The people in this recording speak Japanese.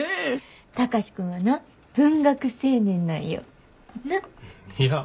貴司君はな文学青年なんよ。なぁ？